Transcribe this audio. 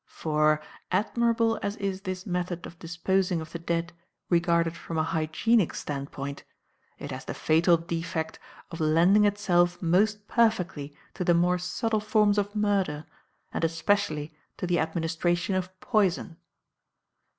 For, admirable as is this method of disposing of the dead regarded from a hygienic standpoint, it has the fatal defect of lending itself most perfectly to the more subtle forms of murder, and especially to the administration of poison.